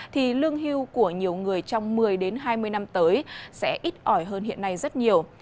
thì lương hưu của nhiều người trong một mươi hai mươi năm tới sẽ ít ỏi hơn hiện nay rất nhiều